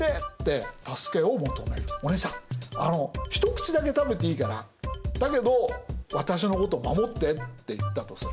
「お姉ちゃんあの一口だけ食べていいからだけど私のこと守って」って言ったとする。